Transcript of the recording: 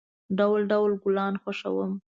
ډول، ډول گلان خوښوم.